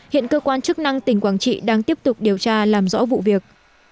hiện cơ quan chức năng tỉnh quảng trị đang tiếp tục điều tra làm rõ vụ việc